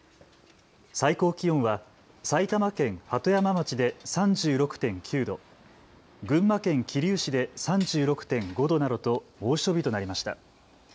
最高気温は埼玉県鳩山町で３６．９度、群馬県桐生市で３６．５度などと猛暑日となりました。